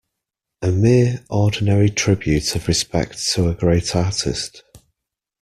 A mere ordinary tribute of respect to a great artist.